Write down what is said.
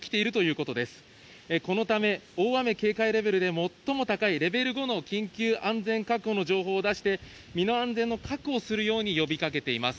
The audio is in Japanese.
このため、大雨警戒レベルで最も高いレベル５の緊急安全確保の情報を出して、身の安全を確保するよう呼びかけています。